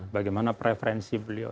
bagaimana preferensi beliau